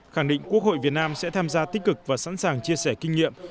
khẳng định quốc hội việt nam sẽ tham gia tích cực và sẵn sàng chia sẻ kinh nghiệm